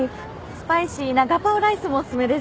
スパイシーなガパオライスもおすすめです。